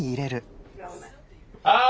ああ！